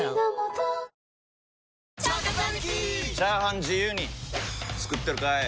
チャーハン自由に作ってるかい！？